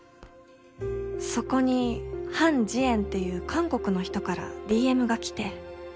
そこにハン・ジエンっていう韓国の人からＤＭが来て。